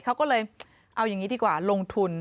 เขาก็เลยเอาอย่างนี้ดีกว่าลงทุน